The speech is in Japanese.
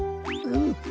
うん。